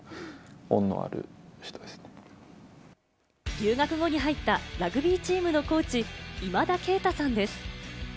留学後に入ったラグビーチームのコーチ・今田圭太さんです。